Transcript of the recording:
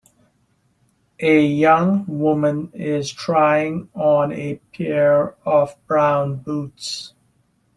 A young woman is trying on a pair of brown boots.